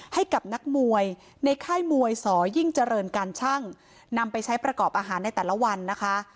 ให้กับนักมวยในค่ายมวยสอยิ่งเจริญการชั่งนำไปใช้ประกอบอาหารในแต่ละวันนะคะ